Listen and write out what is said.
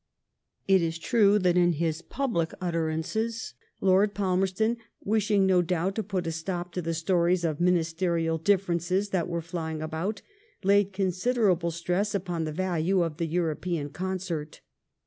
It is true that in his public utterances. Lord Palmerston, wishing, no doubt, to put a stop to the stories of ministerial differences that were flying about, laid con siderable stress upon the value of the European concert.